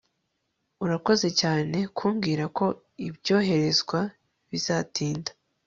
urakoze cyane kumbwira ko ibyoherezwa bizatinda